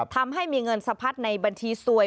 ทำให้มีเงินสะพัดในบัญชีสวย